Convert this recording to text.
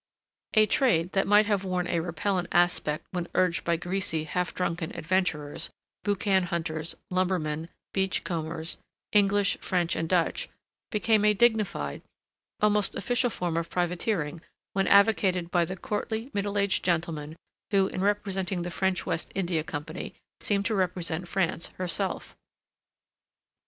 A trade that might have worn a repellent aspect when urged by greasy, half drunken adventurers, boucan hunters, lumbermen, beach combers, English, French, and Dutch, became a dignified, almost official form of privateering when advocated by the courtly, middle aged gentleman who in representing the French West India Company seemed to represent France herself.